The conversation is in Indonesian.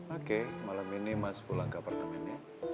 oke malam ini mas pulang ke apartemen ya